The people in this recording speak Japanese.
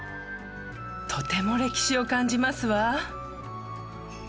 とても歴史を感じますわ。